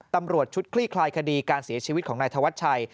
ตำรวจชุดคลี่คลายคดีการเสียชีวิตของนายธวัชชัย